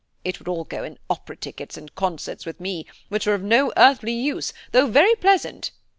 It would all go in opera tickets and concerts with me, which are of no earthly use, though very pleasant.'